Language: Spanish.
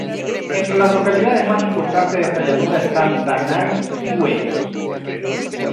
Entre las localidades más importantes de esta llanura están Da Nang y Hue.